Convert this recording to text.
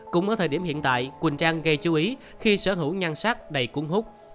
cũng ở thời điểm hiện tại quỳnh trang gây chú ý khi sở hữu nhan sắc đầy cuốn hút